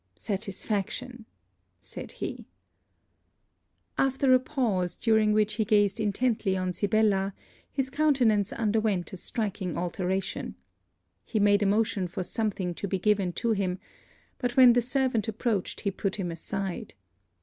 'Satisfaction!' said he. After a pause, during which he gazed intently on Sibella, his countenance underwent a striking alteration. He made a motion for something to be given to him; but, when the servant approached, he put him aside.